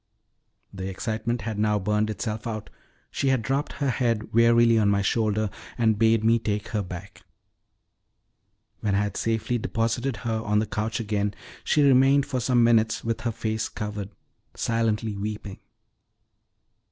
The excitement had now burned itself out: she had dropped her head wearily on my shoulder, and bade me take her back. When I had safely deposited her on the couch again, she remained for some minutes with her face covered, silently weeping.